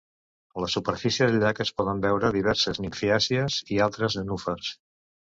A la superfície del llac es poden veure diverses nimfeàcies i altres nenúfars.